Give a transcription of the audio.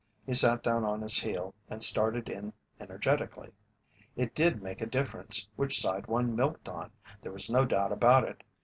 He sat down on his heel and started in energetically. It did make a difference which side one milked on there was no doubt about it.